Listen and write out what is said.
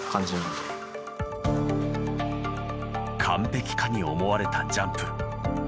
完璧かに思われたジャンプ。